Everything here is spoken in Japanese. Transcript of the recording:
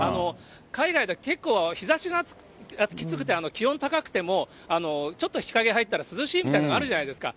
海外では結構、日ざしがきつくて、気温高くても、ちょっと日陰入ったら、涼しいみたいな、あるじゃないですか。